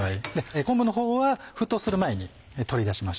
昆布のほうは沸騰する前に取り出しましょう。